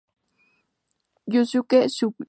Yusuke Suzuki